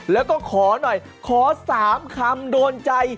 แล้วก็ขอหน่อยขอ๓คำโดนใจ